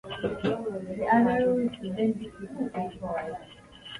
The other rules should then be pretty straightforward.